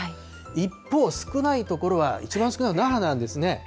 一方、少ない所は、一番少ないのは那覇なんですね。